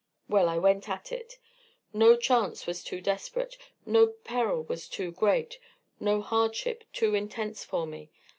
Well, I went at it. No chance was too desperate, no peril was too great, no hardship too intense for me.